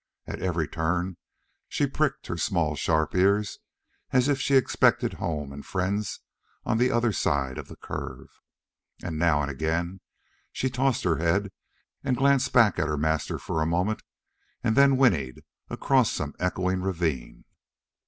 At every turn she pricked her small sharp ears as if she expected home and friends on the other side of the curve. And now and again she tossed her head and glanced back at the master for a moment and then whinnied across some echoing ravine.